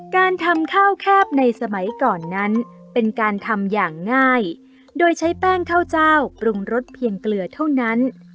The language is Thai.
การทำข้าวแคบในสมัยก่อนนั้นเป็นการทำอย่างง่ายโดยใช้แป้งข้าวเจ้าปรุงรสเพียงเกลือเท่านั้น